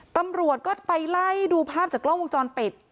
ตำรวจก็ไปไล่ดูภาพจากกล้องวงจรปิด